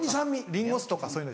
りんご酢とかそういうの。